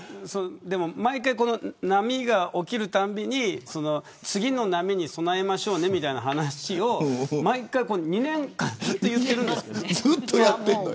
でも毎回、波が起きるたびに次の波に備えましょうねみたいな話を２年間ずっと言っているんです。